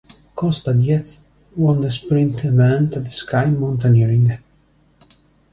Costa Diez won the sprint event at the ski mountaineering.